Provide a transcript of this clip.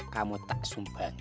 kamu tak sumbangi